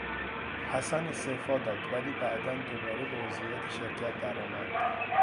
حسن استعفا داد ولی بعدا دوباره به عضویت شرکت درآمد.